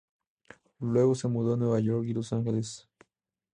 Luego se mudó a Nueva York y Los Ángeles.